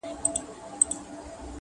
د سړي په دې وینا قاضي حیران سو-